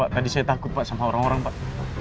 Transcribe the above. tadi saya takut pak sama orang orang pak